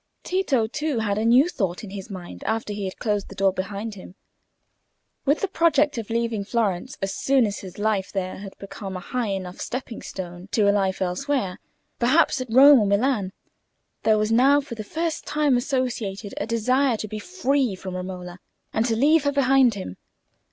Tito, too, had a new thought in his mind after he had closed the door behind him. With the project of leaving Florence as soon as his life there had become a high enough stepping stone to a life elsewhere, perhaps at Rome or Milan, there was now for the first time associated a desire to be free from Romola, and to leave her behind him.